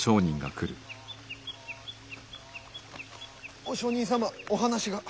お上人様お話が。